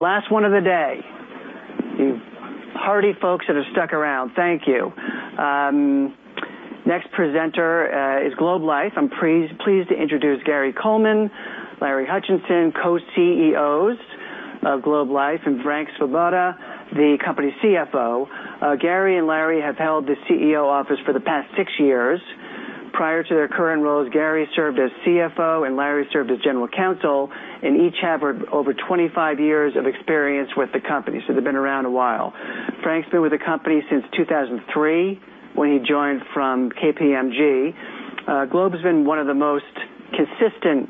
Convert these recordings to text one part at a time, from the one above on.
Last one of the day. You hardy folks that have stuck around, thank you. Next presenter is Globe Life. I'm pleased to introduce Gary Coleman, Larry Hutchison, Co-CEOs of Globe Life, and Frank Svoboda, the company CFO. Gary and Larry have held the CEO office for the past six years. Prior to their current roles, Gary served as CFO, and Larry served as General Counsel. Each have over 25 years of experience with the company. They've been around a while. Frank's been with the company since 2003, when he joined from KPMG. Globe has been one of the most consistent,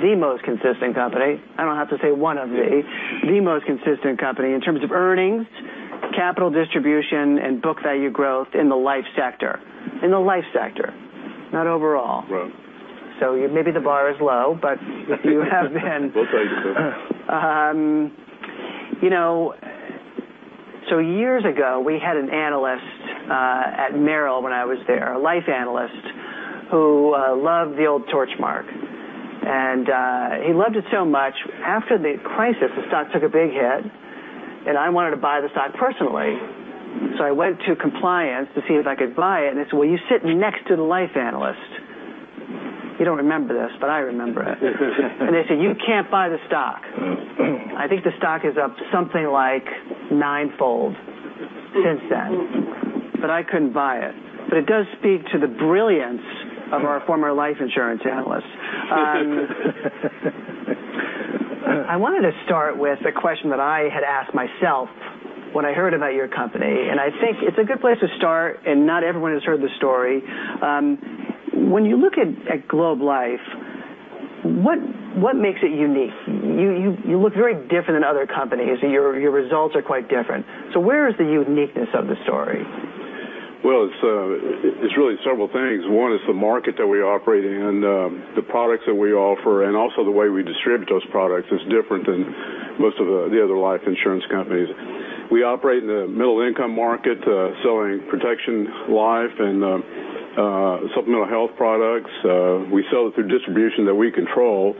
the most consistent company. I don't have to say one of the most consistent company in terms of earnings, capital distribution, and book value growth in the life sector. In the life sector, not overall. Right. Maybe the bar is low, but you have been- We'll take it though. Years ago, we had an analyst at Merrill when I was there, a life analyst, who loved the old Torchmark. He loved it so much. After the crisis, the stock took a big hit, I wanted to buy the stock personally. I went to compliance to see if I could buy it, they said, "Well, you're sitting next to the life analyst." You don't remember this, I remember it. They said, "You can't buy the stock." I think the stock is up something like ninefold since then. I couldn't buy it. It does speak to the brilliance of our former life insurance analyst. I wanted to start with a question that I had asked myself when I heard about your company, I think it's a good place to start, not everyone has heard the story. When you look at Globe Life, what makes it unique? You look very different than other companies. Your results are quite different. Where is the uniqueness of the story? Well, it's really several things. One is the market that we operate in, and the products that we offer, and also the way we distribute those products is different than most of the other life insurance companies. We operate in the middle-income market, selling protection life, and supplemental health products. We sell it through distribution that we control,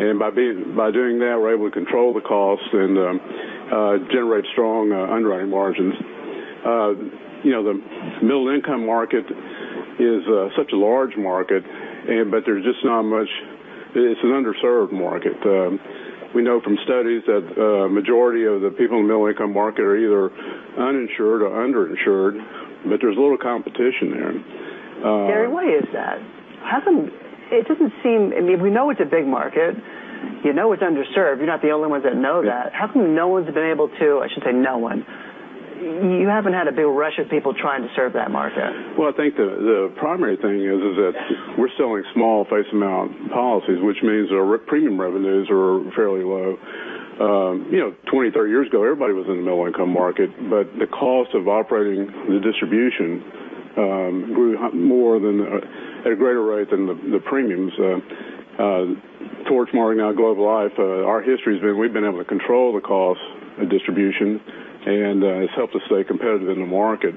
and by doing that, we're able to control the cost and generate strong underwriting margins. The middle-income market is such a large market, it's an underserved market. We know from studies that a majority of the people in the middle-income market are either uninsured or underinsured, but there's a little competition there. Gary, why is that? I mean, we know it's a big market. You know it's underserved. You're not the only ones that know that. How come no one's been able to, I shouldn't say no one. You haven't had a big rush of people trying to serve that market. Well, I think the primary thing is that we're selling small face amount policies, which means our premium revenues are fairly low. 20, 30 years ago, everybody was in the middle-income market, but the cost of operating the distribution grew at a greater rate than the premiums. Torchmark, now Globe Life, our history has been we've been able to control the cost of distribution, and it's helped us stay competitive in the market.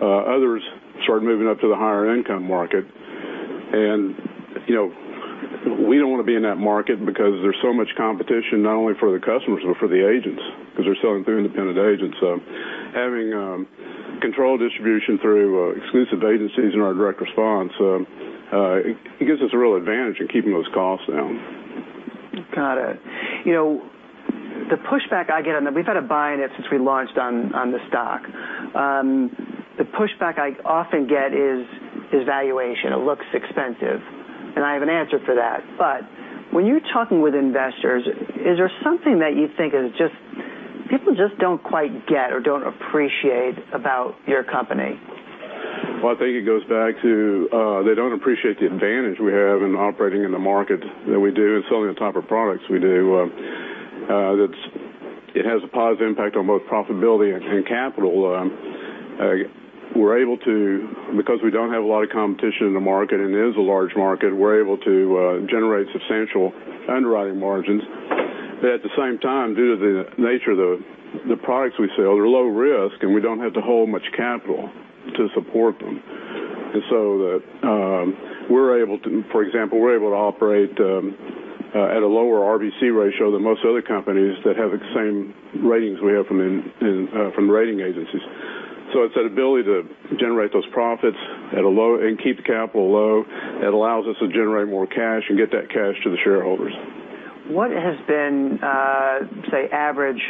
Others started moving up to the higher income market, and we don't want to be in that market because there's so much competition, not only for the customers but for the agents, because they're selling through independent agents. Having controlled distribution through exclusive agencies in our direct response, it gives us a real advantage in keeping those costs down. Got it. We've had a buy in it since we launched on the stock. The pushback I often get is valuation. It looks expensive, and I have an answer for that. When you're talking with investors, is there something that you think people just don't quite get or don't appreciate about your company? Well, I think it goes back to they don't appreciate the advantage we have in operating in the market that we do, and selling the type of products we do. It has a positive impact on both profitability and capital. We don't have a lot of competition in the market, and it is a large market, we're able to generate substantial underwriting margins. At the same time, due to the nature of the products we sell, they're low risk, and we don't have to hold much capital to support them. For example, we're able to operate at a lower RBC ratio than most other companies that have the same ratings we have from rating agencies. It's that ability to generate those profits and keep the capital low that allows us to generate more cash and get that cash to the shareholders. What has been, say, average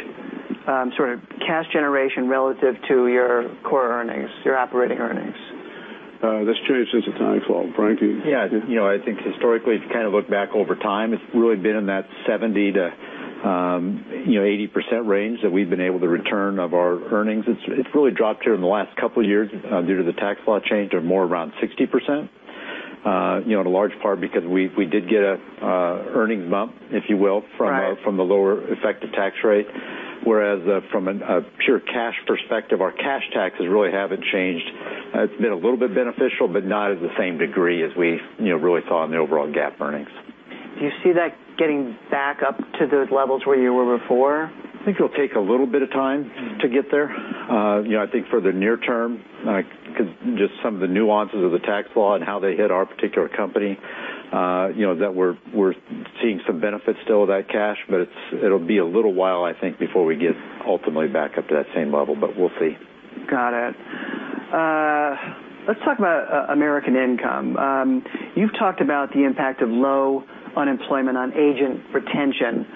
sort of cash generation relative to your core earnings, your operating earnings? That's changed since the tax law. Frankie? Yeah. I think historically, if you kind of look back over time, it's really been in that 70%-80% range that we've been able to return of our earnings. It's really dropped here in the last couple of years due to the tax law change. They're more around 60%, in a large part because we did get an earnings bump, if you will- Right from the lower effective tax rate. Whereas from a pure cash perspective, our cash taxes really haven't changed. It's been a little bit beneficial, but not at the same degree as we really saw in the overall GAAP earnings. Do you see that getting back up to those levels where you were before? I think it'll take a little bit of time to get there. I think for the near term, because just some of the nuances of the tax law and how they hit our particular company. We're seeing some benefits still of that cash, but it'll be a little while, I think, before we get ultimately back up to that same level, but we'll see. Got it. Let's talk about American Income. You've talked about the impact of low unemployment on agent retention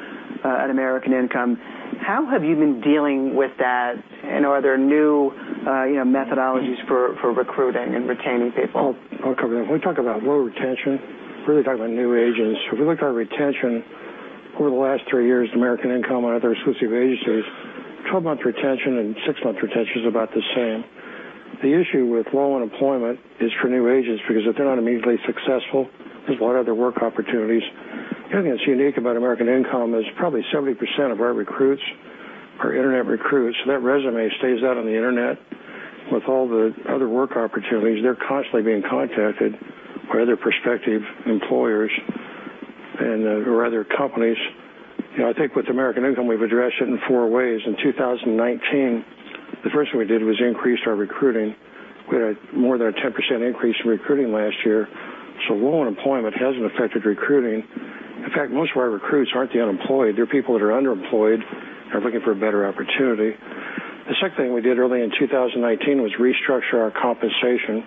at American Income. How have you been dealing with that, and are there new methodologies for recruiting and retaining people? I'll cover that. When we talk about low retention, we're really talking about new agents. If we look at our retention over the last three years at American Income and other exclusive agencies, 12-month retention and six-month retention is about the same. The issue with low unemployment is for new agents, because if they're not immediately successful, there's a lot of other work opportunities. The thing that's unique about American Income is probably 70% of our recruits are internet recruits, so that resume stays out on the internet. With all the other work opportunities, they're constantly being contacted by other prospective employers or other companies. I think with American Income, we've addressed it in four ways. In 2019, the first thing we did was increase our recruiting. We had more than a 10% increase in recruiting last year. Low unemployment hasn't affected recruiting. In fact, most of our recruits aren't the unemployed. They're people that are underemployed and are looking for a better opportunity. The second thing we did early in 2019 was restructure our compensation.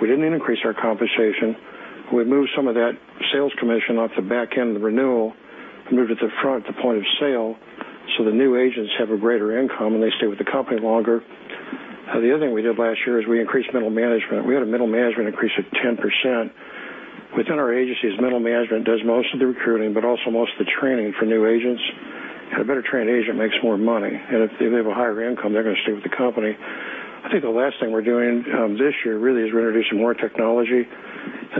We didn't increase our compensation. We moved some of that sales commission off the back end of the renewal and moved it to the front, the point of sale, so the new agents have a greater income, and they stay with the company longer. The other thing we did last year is we increased middle management. We had a middle management increase of 10%. Within our agencies, middle management does most of the recruiting, but also most of the training for new agents. A better-trained agent makes more money, and if they have a higher income, they're going to stay with the company. I think the last thing we're doing this year really is we're introducing more technology.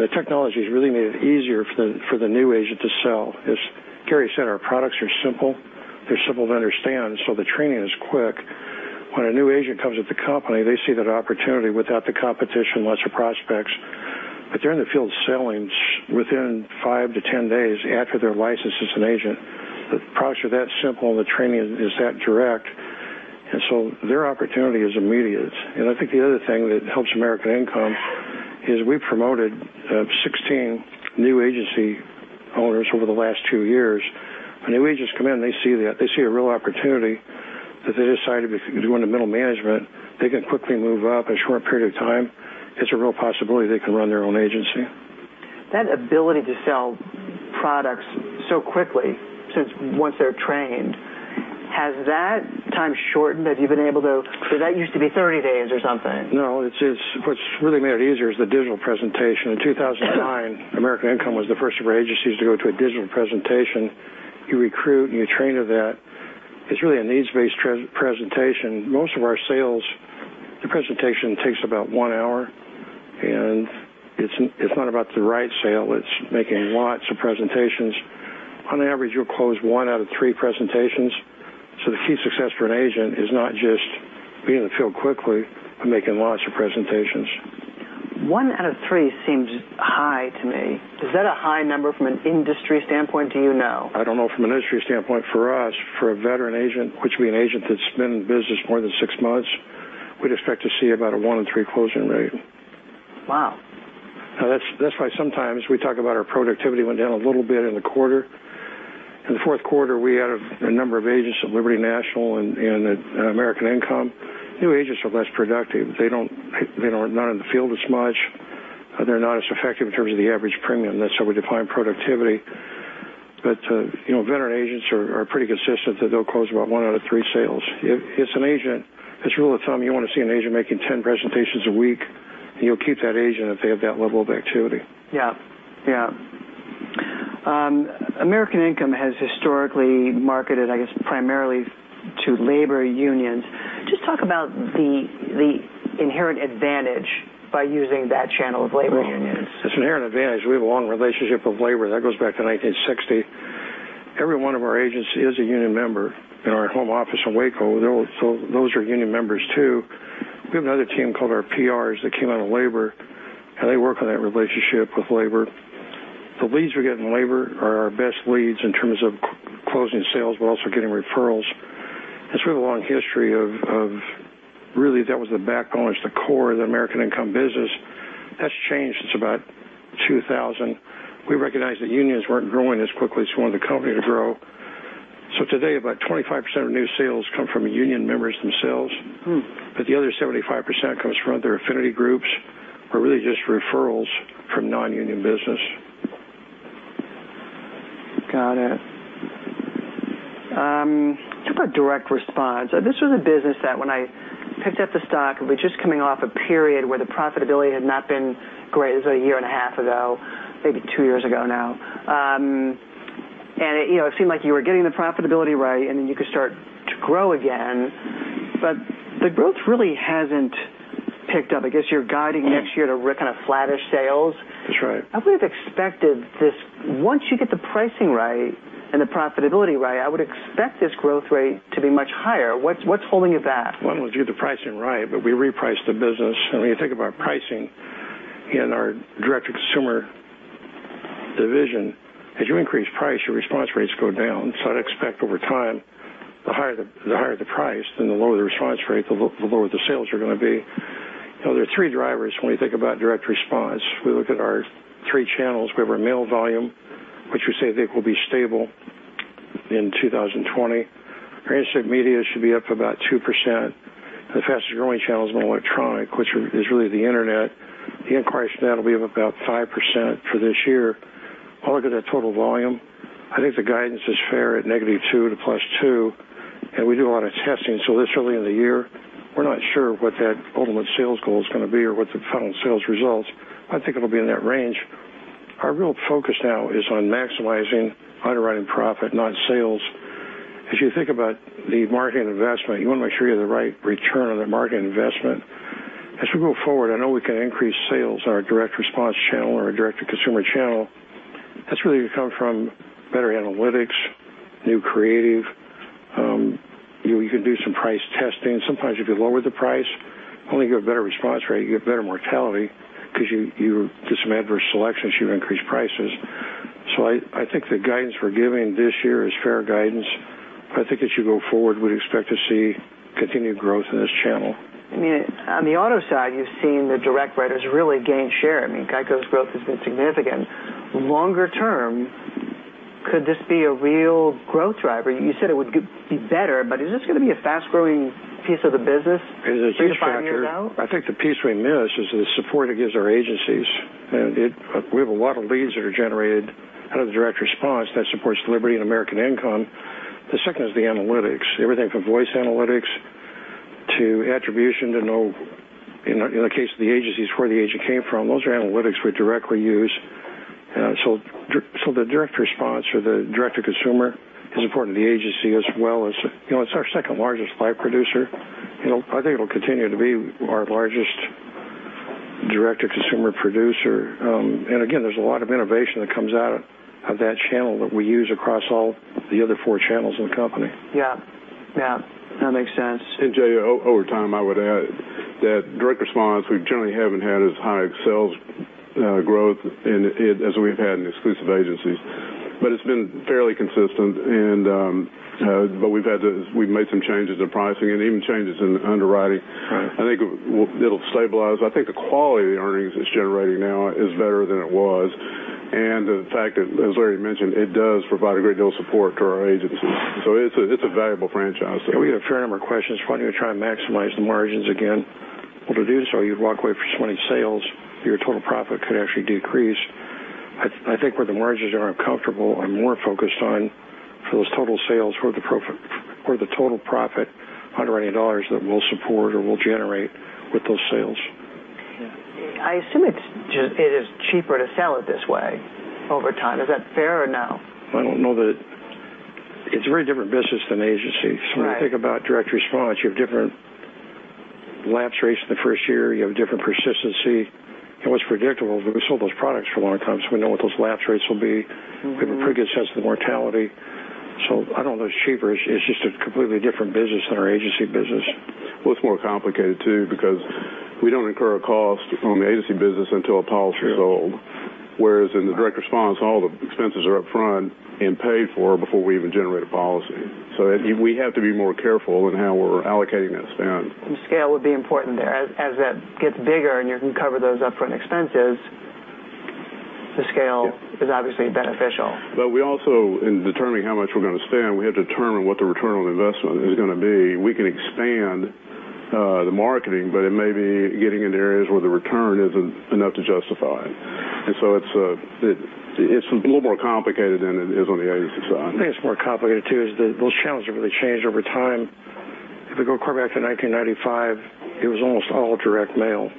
The technology has really made it easier for the new agent to sell. As Gary said, our products are simple. They're simple to understand, so the training is quick. When a new agent comes with the company, they see that opportunity without the competition, lots of prospects. They're in the field selling within 5 to 10 days after their license as an agent. The products are that simple, and the training is that direct. Their opportunity is immediate. I think the other thing that helps American Income is we promoted 16 new agency owners over the last two years. When new agents come in, they see a real opportunity if they decide to go into middle management. They can quickly move up in a short period of time. It's a real possibility they can run their own agency. That ability to sell products so quickly since once they're trained, has that time shortened? That used to be 30 days or something. No. What's really made it easier is the digital presentation. In 2009, American Income was the first of our agencies to go to a digital presentation. You recruit, you train to that. It's really a needs-based presentation. Most of our sales, the presentation takes about one hour, it's not about the right sale, it's making lots of presentations. On average, you'll close one out of three presentations. The key success for an agent is not just being in the field quickly, but making lots of presentations. One out of three seems high to me. Is that a high number from an industry standpoint, do you know? I don't know from an industry standpoint. For us, for a veteran agent, which would be an agent that's been in business more than six months, we'd expect to see about a one in three closing rate. Wow. That's why sometimes we talk about our productivity went down a little bit in the quarter. In the fourth quarter, we had a number of agents at Liberty National and at American Income. New agents are less productive. They're not in the field as much. They're not as effective in terms of the average premium. That's how we define productivity. Veteran agents are pretty consistent that they'll close about one out of three sales. As a rule of thumb, you want to see an agent making 10 presentations a week, and you'll keep that agent if they have that level of activity. Yeah. American Income has historically marketed, I guess, primarily to labor unions. Just talk about the inherent advantage by using that channel of labor unions. It's an inherent advantage. We have a long relationship with labor. That goes back to 1960. Every one of our agents is a union member. In our home office in Waco, those are union members, too. We have another team called our PRs that came out of labor, and they work on that relationship with labor. The leads we get in labor are our best leads in terms of closing sales but also getting referrals. It's a really long history of really that was the backbone, it's the core of the American Income business. That's changed since about 2000. We recognized that unions weren't growing as quickly as we wanted the company to grow. Today, about 25% of new sales come from union members themselves. The other 75% comes from other affinity groups or really just referrals from non-union business. Got it. Talk about direct response. This was a business that when I picked up the stock, it was just coming off a period where the profitability had not been great. This was a year and a half ago, maybe two years ago now. It seemed like you were getting the profitability right, and then you could start to grow again. The growth really hasn't picked up. I guess you're guiding next year to kind of flattish sales. That's right. I would have expected this, once you get the pricing right and the profitability right, I would expect this growth rate to be much higher. What's holding you back? One was get the pricing right, but we repriced the business. When you think about pricing in our direct-to-consumer division, as you increase price, your response rates go down. I'd expect over time, the higher the price and the lower the response rate, the lower the sales are going to be. There are three drivers when we think about direct response. We look at our three channels. We have our mail volume, which we say I think will be stable in 2020. Our insert media should be up about 2%. The fastest-growing channel is in electronic, which is really the internet. The inquiries for that will be up about 5% for this year. I'll look at our total volume. I think the guidance is fair at -2% to +2%. We do a lot of testing. This early in the year, we're not sure what that ultimate sales goal is going to be or what the final sales results. I think it'll be in that range. Our real focus now is on maximizing underwriting profit, not sales. As you think about the marketing investment, you want to make sure you have the right return on that marketing investment. As we go forward, I know we can increase sales in our direct response channel or our direct-to-consumer channel. That's really going to come from better analytics, new creative. You can do some price testing. Sometimes if you lower the price, not only do you get a better response rate, you get better mortality because you do some adverse selections, you increase prices. I think the guidance we're giving this year is fair guidance. I think as you go forward, we'd expect to see continued growth in this channel. On the auto side, you've seen the direct writers really gain share. GEICO's growth has been significant. Longer term, could this be a real growth driver? You said it would be better, but is this going to be a fast-growing piece of the business three to five years out? As a piece driver, I think the piece we miss is the support it gives our agencies. We have a lot of leads that are generated out of the direct response that supports Liberty and American Income. The second is the analytics. Everything from voice analytics to attribution to know, in the case of the agencies, where the agent came from. Those are analytics we directly use. The direct response or the direct-to-consumer is important to the agency as well as it's our second largest life producer. I think it'll continue to be our largest direct-to-consumer producer. Again, there's a lot of innovation that comes out of that channel that we use across all the other four channels in the company. Yeah. That makes sense. Jay, over time, I would add that direct response, we generally haven't had as high excess growth in it as we've had in exclusive agencies. It's been fairly consistent, we've made some changes in pricing and even changes in underwriting. Right. I think it'll stabilize. I think the quality of the earnings it's generating now is better than it was. The fact that, as Larry mentioned, it does provide a great deal of support to our agencies. It's a valuable franchise. We have a fair number of questions for when you try to maximize the margins again. To do so, you'd walk away from so many sales, your total profit could actually decrease. I think where the margins are, I'm comfortable and more focused on for those total sales, where the total profit underwriting dollars that we'll support or will generate with those sales. I assume it is cheaper to sell it this way over time. Is that fair or no? I don't know that it's a very different business than agency. Right. When you think about direct response, you have different lapse rates in the first year, you have different persistency, and what's predictable, but we sold those products for a long time, we know what those lapse rates will be. We have a pretty good sense of the mortality. I don't know it's cheaper. It's just a completely different business than our agency business. Well, it's more complicated, too, because we don't incur a cost on the agency business until a policy is sold. Sure. Whereas in the direct response, all the expenses are up front and paid for before we even generate a policy. We have to be more careful in how we're allocating that spend. scale would be important there. As that gets bigger and you can cover those upfront expenses. Yeah Scale is obviously beneficial. We also, in determining how much we're going to spend, we have to determine what the return on investment is going to be. We can expand the marketing, but it may be getting into areas where the return isn't enough to justify. It's a little more complicated than it is on the agency side. I think it's more complicated, too, is that those channels have really changed over time. If we go quite back to 1995, it was almost all direct mail.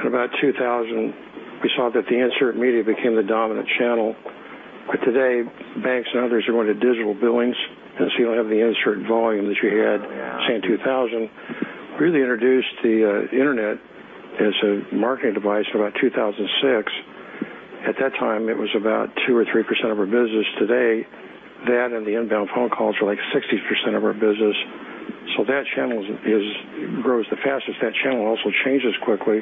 In about 2000, we saw that the insert media became the dominant channel. Today, banks and others are going to digital billings, you don't have the insert volume. Oh, yeah Say, in 2000. Really introduced the internet as a marketing device about 2006. At that time, it was about 2% or 3% of our business. Today, that and the inbound phone calls are like 60% of our business. That channel grows the fastest. That channel also changes quickly.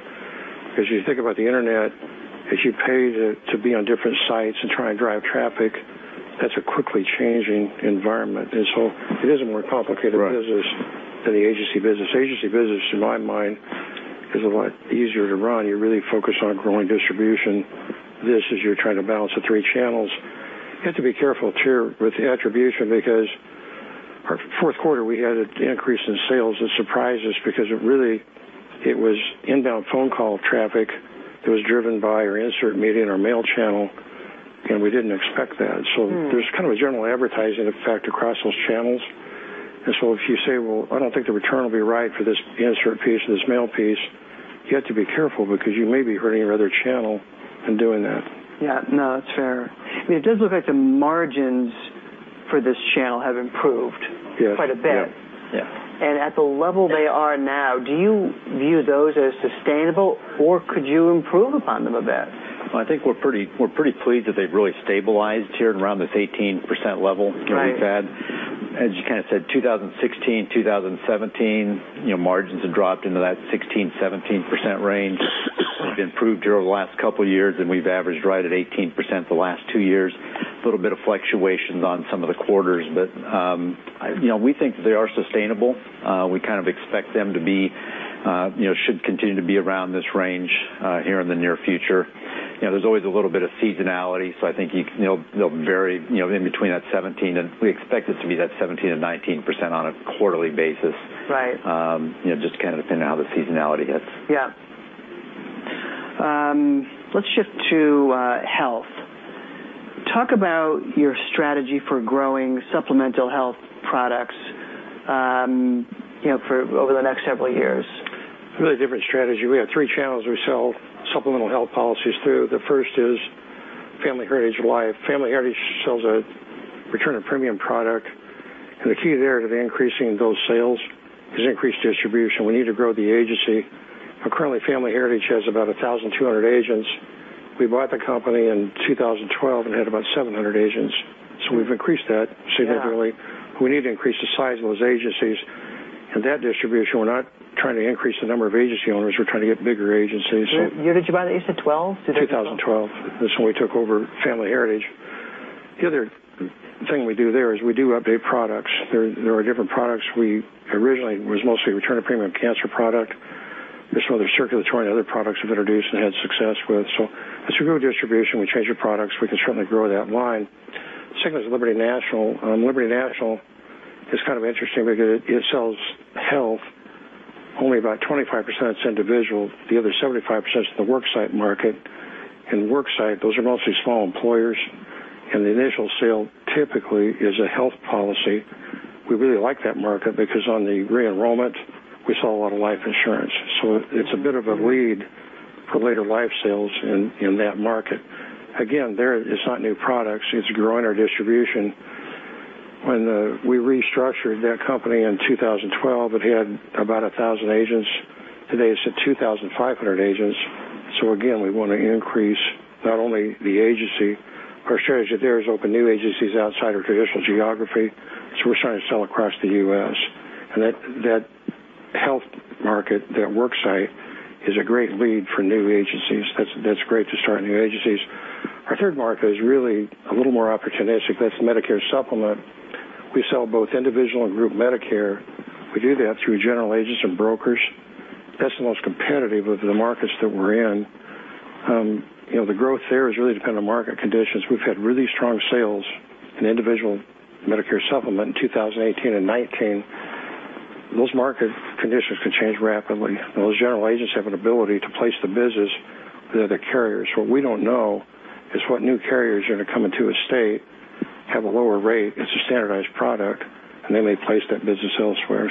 As you think about the internet, as you pay to be on different sites and try and drive traffic, that's a quickly changing environment. It is a more complicated business than the agency business. Agency business, to my mind, is a lot easier to run. You really focus on growing distribution. This is you're trying to balance the three channels. You have to be careful, too, with the attribution because our fourth quarter, we had an increase in sales that surprised us because it was inbound phone call traffic that was driven by our insert media and our mail channel, and we didn't expect that. There's kind of a general advertising effect across those channels. If you say, "Well, I don't think the return will be right for this insert piece or this mail piece," you have to be careful because you may be hurting your other channel in doing that. Yeah. No, that's fair. It does look like the margins for this channel have improved. Yes quite a bit. Yeah. At the level they are now, do you view those as sustainable, or could you improve upon them a bit? I think we're pretty pleased that they've really stabilized here around this 18% level that we've had. Right. As you kind of said, 2016, 2017, margins have dropped into that 16%-17% range. They've improved here over the last couple of years, and we've averaged right at 18% the last two years. A little bit of fluctuations on some of the quarters, but we think that they are sustainable. We kind of expect them to should continue to be around this range here in the near future. There's always a little bit of seasonality, so I think they'll vary in between that 17%, and we expect it to be that 17%-19% on a quarterly basis. Right. Just kind of depending on how the seasonality hits. Yeah. Let's shift to health. Talk about your strategy for growing supplemental health products over the next several years. Really different strategy. We have three channels we sell supplemental health policies through. The first is Family Heritage Life. Family Heritage sells a return of premium product, and the key there to increasing those sales is increased distribution. We need to grow the agency. Currently, Family Heritage has about 1,200 agents. We bought the company in 2012 and had about 700 agents. We've increased that significantly. Yeah. We need to increase the size of those agencies and that distribution. We're not trying to increase the number of agency owners. We're trying to get bigger agencies. Year that you bought it, you said 2012? 2012. That's when we took over Family Heritage. The other thing we do there is we do update products. There are different products. Originally, it was mostly return of premium cancer product. There is some other circulatory and other products we've introduced and had success with. As we grow distribution, we change our products, we can certainly grow that line. Second one is Liberty National. Liberty National is kind of interesting because it sells health. Only about 25% is individual. The other 75% is the worksite market. In worksite, those are mostly small employers, and the initial sale typically is a health policy. We really like that market because on the re-enrollment, we sell a lot of life insurance. It's a bit of a lead for later life sales in that market. Again, there, it's not new products, it's growing our distribution. When we restructured that company in 2012, it had about 1,000 agents. Today, it's at 2,500 agents. Again, we want to increase not only the agency. Our strategy there is open new agencies outside our traditional geography. We're starting to sell across the U.S., and that health market, that worksite, is a great lead for new agencies. That's great to start new agencies. Our third market is really a little more opportunistic. That's Medicare Supplement. We sell both individual and group Medicare. We do that through general agents and brokers. That's the most competitive of the markets that we're in. The growth there has really depended on market conditions. We've had really strong sales in individual Medicare Supplement in 2018 and 2019. Those market conditions can change rapidly, and those general agents have an ability to place the business with other carriers. What we don't know is what new carriers are going to come into a state, have a lower rate. It's a standardized product, and they may place that business elsewhere.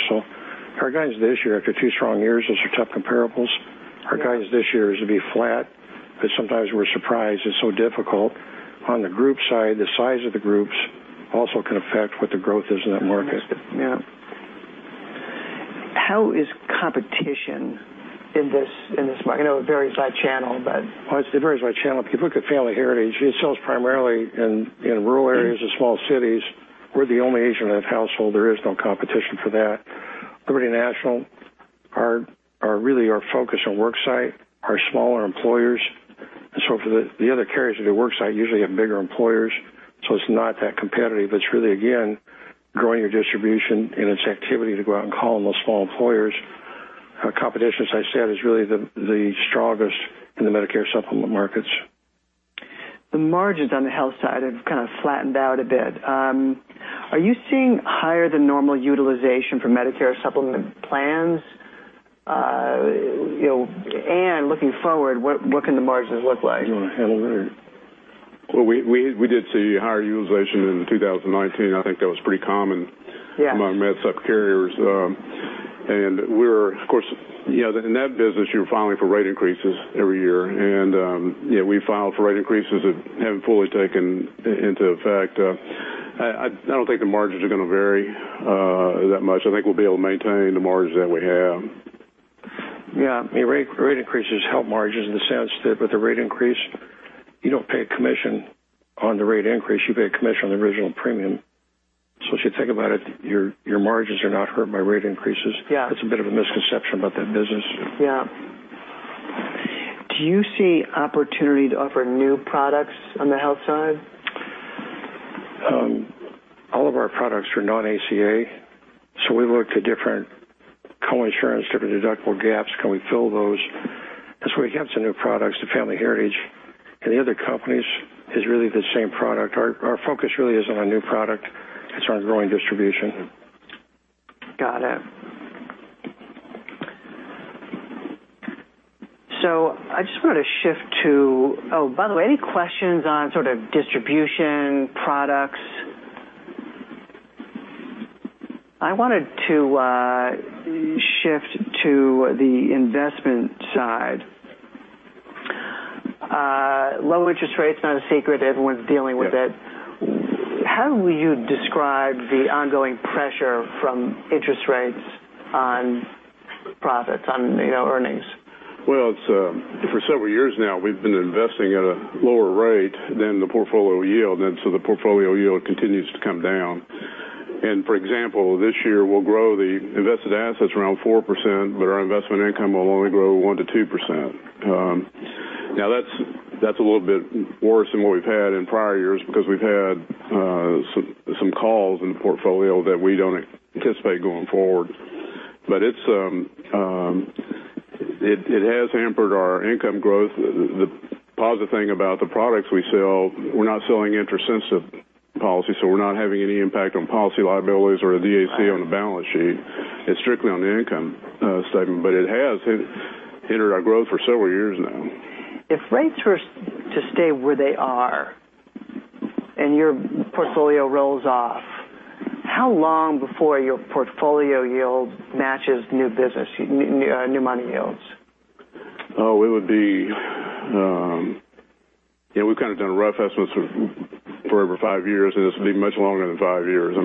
Our guidance this year, after two strong years, those are tough comparables. Our guidance this year is to be flat, sometimes we're surprised it's so difficult. On the group side, the size of the groups also can affect what the growth is in that market. How is competition in this market? I know it varies by channel. It varies by channel. If you look at Family Heritage, it sells primarily in rural areas or small cities. We're the only agent in that household. There is no competition for that. Liberty National are really our focus on worksite, are smaller employers. For the other carriers that do worksite usually have bigger employers, it's not that competitive. It's really, again, growing your distribution, it's activity to go out and call on those small employers. Competition, as I said, is really the strongest in the Medicare Supplement markets. The margins on the health side have kind of flattened out a bit. Are you seeing higher than normal utilization for Medicare Supplement plans? Looking forward, what can the margins look like? Do you want to handle that or Well, we did see higher utilization in 2019. I think that was pretty common. Yeah among Med Supp carriers. In that business, you're filing for rate increases every year. We filed for rate increases that haven't fully taken into effect. I don't think the margins are going to vary that much. I think we'll be able to maintain the margins that we have. Yeah. Rate increases help margins in the sense that with a rate increase, you don't pay a commission on the rate increase, you pay a commission on the original premium. As you think about it, your margins are not hurt by rate increases. Yeah. That's a bit of a misconception about that business. Yeah. Do you see opportunity to offer new products on the health side? All of our products are non-ACA, we look to different coinsurance, different deductible gaps. Can we fill those? That's where we have some new products to Family Heritage, and the other companies is really the same product. Our focus really isn't on new product, it's on growing distribution. Got it. Oh, by the way, any questions on sort of distribution, products? I wanted to shift to the investment side. Low interest rates, not a secret. Everyone's dealing with it. Yeah. How would you describe the ongoing pressure from interest rates on profits, on earnings? Well, for several years now, we've been investing at a lower rate than the portfolio yield, so the portfolio yield continues to come down. For example, this year we'll grow the invested assets around 4%, our investment income will only grow 1% to 2%. That's a little bit worse than what we've had in prior years because we've had some calls in the portfolio that we don't anticipate going forward. It has hampered our income growth. The positive thing about the products we sell, we're not selling interest-sensitive policy, so we're not having any impact on policy liabilities or the DAC on the balance sheet. It's strictly on the income statement. It has hindered our growth for several years now. If rates were to stay where they are and your portfolio rolls off, how long before your portfolio yield matches new money yields? We've kind of done a rough estimate for over five years, this will be much longer than five years.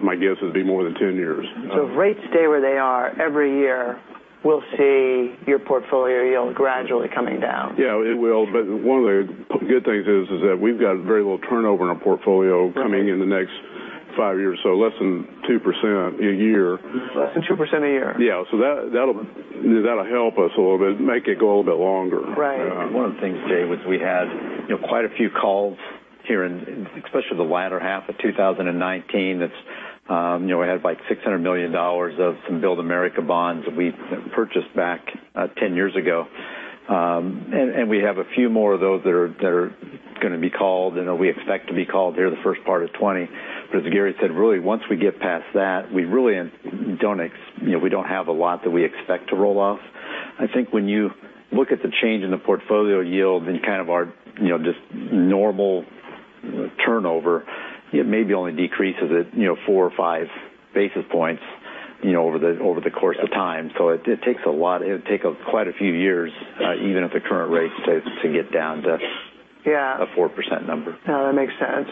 My guess it would be more than 10 years. If rates stay where they are, every year we'll see your portfolio yield gradually coming down. Yeah, it will. One of the good things is that we've got very little turnover in our portfolio coming in the next five years. Less than 2% a year. Less than 2% a year? Yeah. That'll help us a little bit, make it go a little bit longer. Right. One of the things, Jay, was we had like $600 million of some Build America Bonds that we purchased back 10 years ago. We have a few more of those that are going to be called, and that we expect to be called here the first part of 2020. As Gary said, really once we get past that, we don't have a lot that we expect to roll off. I think when you look at the change in the portfolio yield and kind of our just normal turnover, it maybe only decreases it four or five basis points over the course of time. It takes a lot. It would take quite a few years, even at the current rate, to get down to a 4% number. Yeah. No, that makes sense.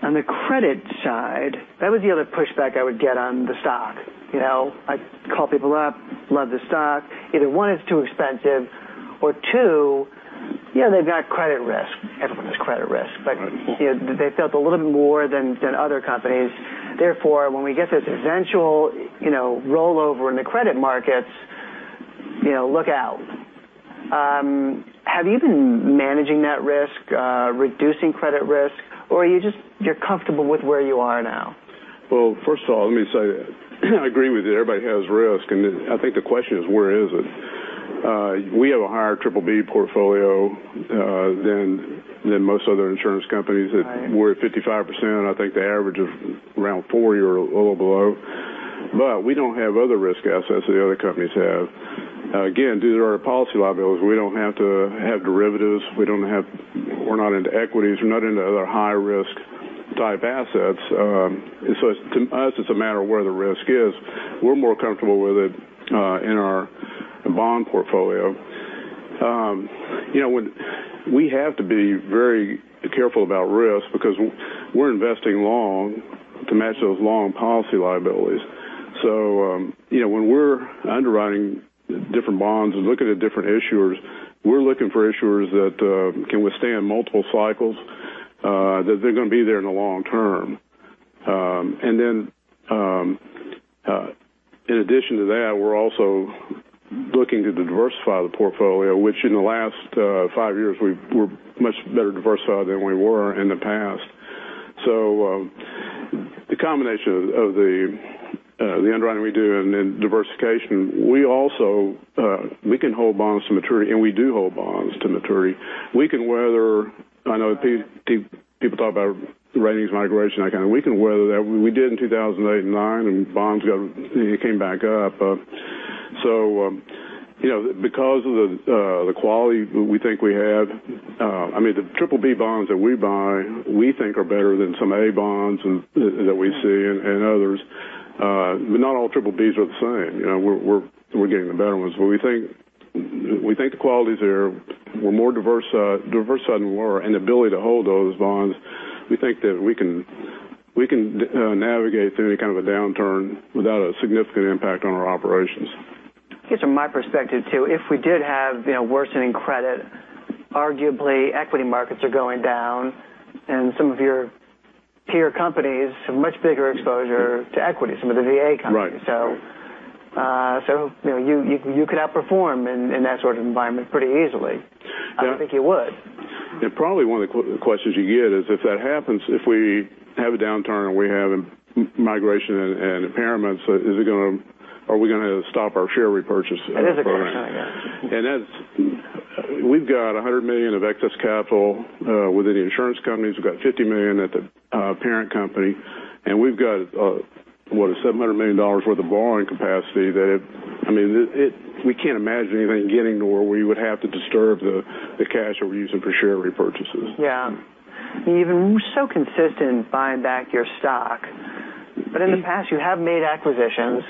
On the credit side, that was the other pushback I would get on the stock. I'd call people up, love the stock. Either, one, it's too expensive or two, yeah, they've got credit risk. Everyone has credit risk. Right. They felt a little bit more than other companies. Therefore, when we get this eventual rollover in the credit markets, look out. Have you been managing that risk, reducing credit risk, or you're comfortable with where you are now? Well, first of all, let me say I agree with you. Everybody has risk, I think the question is, where is it? We have a higher triple B portfolio than most other insurance companies that- Right We're at 55%, I think the average is around 40 or a little below. We don't have other risk assets that the other companies have. Again, due to our policy liabilities, we don't have to have derivatives. We're not into equities. We're not into other high-risk type assets. To us, it's a matter of where the risk is. We're more comfortable with it in our bond portfolio. We have to be very careful about risk because we're investing long to match those long policy liabilities. When we're underwriting different bonds and looking at different issuers, we're looking for issuers that can withstand multiple cycles, that they're going to be there in the long term. In addition to that, we're also looking to diversify the portfolio, which in the last five years, we're much better diversified than we were in the past. The combination of the underwriting we do and diversification. We can hold bonds to maturity, we do hold bonds to maturity. I know people talk about ratings migration, that kind of. We can weather that. We did in 2008 and '09, bonds came back up. Because of the quality we think we have, the Triple B bonds that we buy we think are better than some A bonds that we see and others. Not all Triple Bs are the same. We're getting the better ones. We think the quality's there. We're more diversified than we were, and ability to hold those bonds. We think that we can navigate through any kind of a downturn without a significant impact on our operations. Here's from my perspective, too. If we did have worsening credit, arguably equity markets are going down and some of your peer companies have much bigger exposure to equity, some of the VA companies. Right. You could outperform in that sort of environment pretty easily. I don't think you would. Probably one of the questions you get is if that happens, if we have a downturn and we have migration and impairments, are we going to stop our share repurchase program? That is a question, yes. We've got $100 million of excess capital within the insurance companies. We've got $50 million at the parent company, and we've got, what, a $700 million worth of borrowing capacity. We can't imagine anything getting to where we would have to disturb the cash that we're using for share repurchases. Yeah. You've been so consistent in buying back your stock. In the past, you have made acquisitions.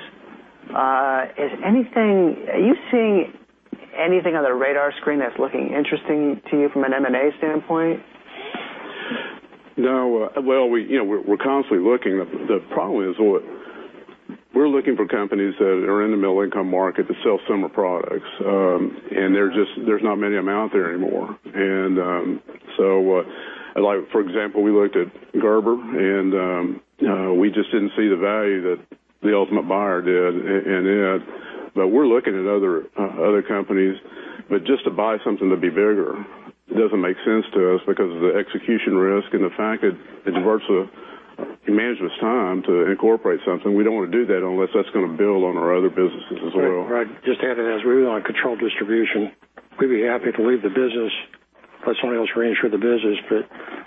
Are you seeing anything on the radar screen that's looking interesting to you from an M&A standpoint? No. Well, we're constantly looking. The problem is we're looking for companies that are in the middle-income market that sell similar products. There's not many of them out there anymore. For example, we looked at Gerber, and we just didn't see the value that the ultimate buyer did in it. We're looking at other companies. Just to buy something to be bigger doesn't make sense to us because of the execution risk and the fact that it diverts the management's time to incorporate something. We don't want to do that unless that's going to build on our other businesses as well. Right. Just adding, as we own control distribution, we'd be happy to leave the business, let somebody else reinsure the business, but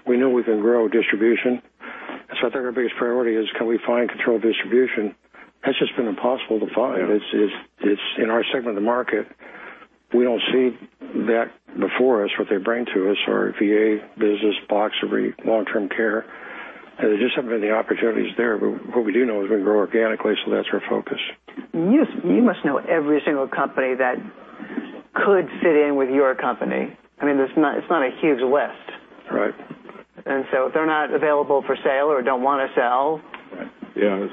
we know we can grow distribution. I think our biggest priority is can we find control distribution? That's just been impossible to find. Yeah. In our segment of the market, we don't see that before us, our VA business, blocks or long-term care. There just haven't been the opportunities there. What we do know is we can grow organically, that's our focus. You must know every single company that could fit in with your company. I mean, it's not a huge list. Right. If they're not available for sale or don't want to sell. Yeah.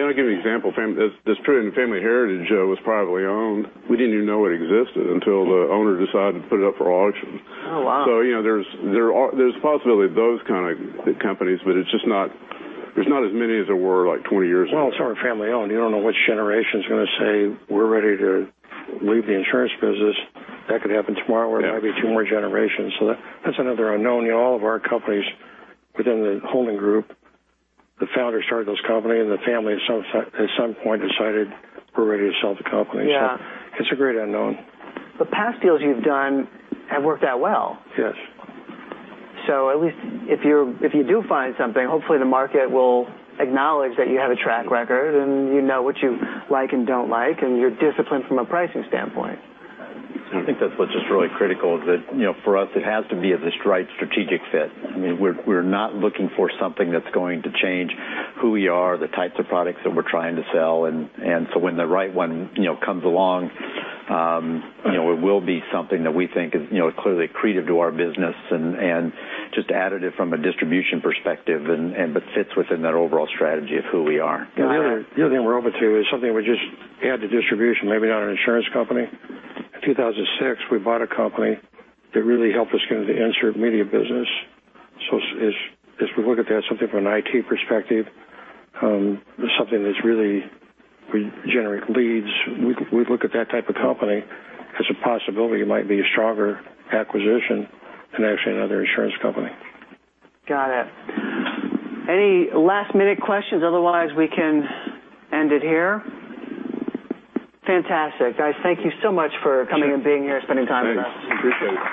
I'll give you an example. Family Heritage was privately owned. We didn't even know it existed until the owner decided to put it up for auction. Oh, wow. There's a possibility of those kind of companies, but there's not as many as there were 20 years ago. Well, some are family-owned. You don't know which generation's going to say, "We're ready to leave the insurance business." That could happen tomorrow. Yeah It might be two more generations. That's another unknown. All of our companies within the holding group, the founder started those company, and the family, at some point, decided, "We're ready to sell the company. Yeah. It's a great unknown. The past deals you've done have worked out well. Yes. At least if you do find something, hopefully, the market will acknowledge that you have a track record, and you know what you like and don't like, and you're disciplined from a pricing standpoint. I think that's what's just really critical is that for us, it has to be of this right strategic fit. We're not looking for something that's going to change who we are, the types of products that we're trying to sell. When the right one comes along, it will be something that we think is clearly accretive to our business and just additive from a distribution perspective, but fits within that overall strategy of who we are. The other thing we're open to is something that would just add to distribution, maybe not an insurance company. In 2006, we bought a company that really helped us get into the insert media business. As we look at that, something from an IT perspective, something that's really, we generate leads. We look at that type of company as a possibility it might be a stronger acquisition than actually another insurance company. Got it. Any last-minute questions? Otherwise, we can end it here. Fantastic. Guys, thank you so much for coming and being here, spending time with us. Thanks. Appreciate it.